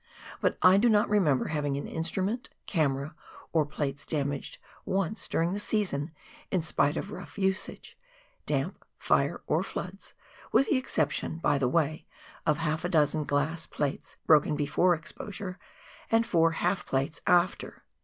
But I do not remember having an instrument, camera, or plates damaged once during the season, in spite of rough usage, damp, fire, or floods, with the exception, by the way, of half a dozen glass plates broken before exposure, and four half plates after.